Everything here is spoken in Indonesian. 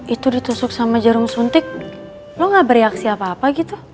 itu ditusuk sama jarum suntik lo gak bereaksi apa apa gitu